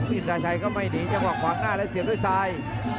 อินทราชัยก็ไม่หนีจังหวะขวางหน้าแล้วเสียบด้วยซ้าย